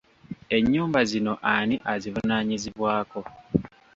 Ennyumba zino ani azivunaanyizibwako?